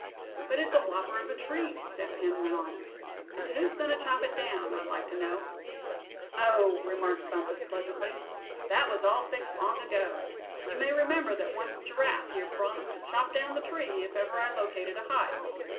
"But it's a whopper of a tree," Step Hen went on; "and who's goin' to chop it down, I'd like to know?" "Oh!" remarked Bumpus, pleasantly, "that was all fixed long ago. You may remember that once Giraffe here promised to chop down the tree, if ever I located a hive.